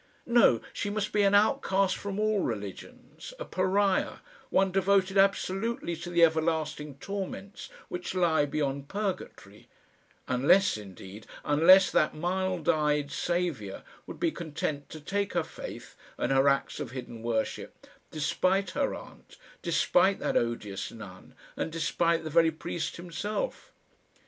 No; she must be an outcast from all religions, a Pariah, one devoted absolutely to the everlasting torments which lie beyond Purgatory unless, indeed, unless that mild eyed Saviour would be content to take her faith and her acts of hidden worship, despite her aunt, despite that odious nun, and despite the very priest himself!